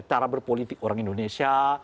cara berpolitik orang indonesia